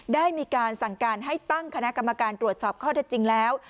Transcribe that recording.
ได้มีการสั่งการให้ตั้งคณะกรรมการตรวจสอบข้อเท็จจริงแล้ว